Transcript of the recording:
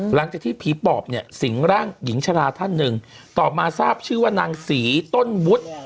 หลังจากที่ผีปอบเนี่ยสิงร่างหญิงชะลาท่านหนึ่งต่อมาทราบชื่อว่านางศรีต้นวุฒิ